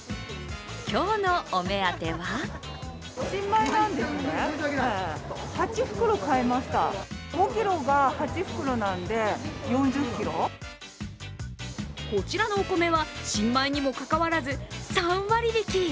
今日のお目当てはこちらのお米は、新米にもかかわらず３割引き。